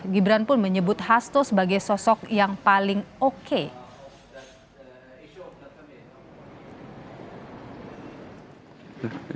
gibran pun menyebut hasto sebagai sosok yang paling oke